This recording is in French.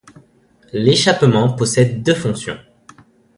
L'échappement possède deux fonctions.